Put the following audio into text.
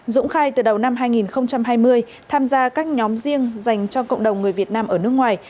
dũng khai từ đầu năm hai nghìn hai mươi tham gia các nhóm riêng dành cho cộng đồng người việt nam ở nước ngoài